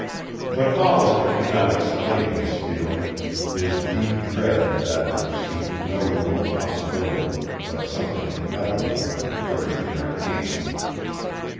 But Hollister could not explain his feeling, his deep dread of that which seemed no remote possibility but something inevitable and very near at hand.